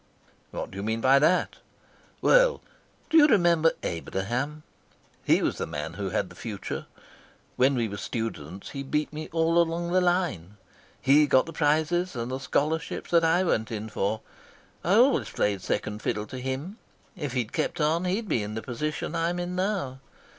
"What do you mean by that?" "Well, do you remember Abraham? He was the man who had the future. When we were students he beat me all along the line. He got the prizes and the scholarships that I went in for. I always played second fiddle to him. If he'd kept on he'd be in the position I'm in now.